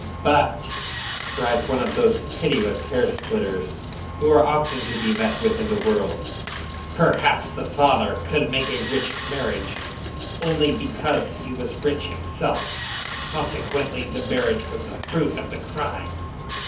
"But," cried one of those pitiless hair splitters who are often to be met with in the world, "perhaps the father could make a rich marriage only because he was rich himself; consequently, the marriage was the fruit of the crime."